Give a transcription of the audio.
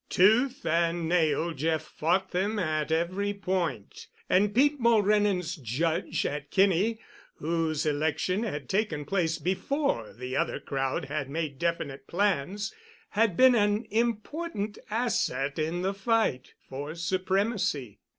Tooth and nail Jeff fought them at every point, and Pete Mulrennan's judge at Kinney, whose election had taken place before the other crowd had made definite plans, had been an important asset in the fight for supremacy.